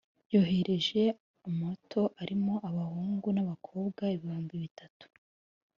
yohereje amato arimo abahungu n’abakobwa ibihumbi bitatu